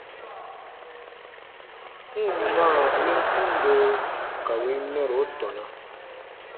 N ǹ maa win tundo ka win mɛro tɔna.